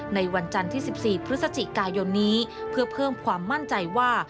ในวันจันทร์ที่๑๔พฤศจิกายนนี้เพื่อเพิ่มความมั่นใจว่า